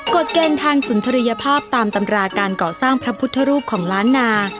เกณฑ์ทางสุนทรียภาพตามตำราการก่อสร้างพระพุทธรูปของล้านนา